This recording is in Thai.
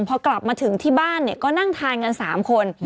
พอกลับมาถึงที่บ้านก็นั่งทานกัน๓คน